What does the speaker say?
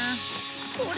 これ。